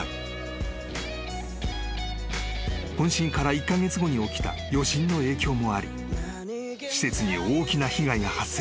［本震から１カ月後に起きた余震の影響もあり施設に大きな被害が発生。